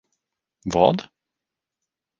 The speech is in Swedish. Vad?